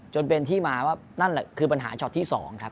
จนเป็นที่มาว่านั่นแหละคือปัญหาช็อตที่๒ครับ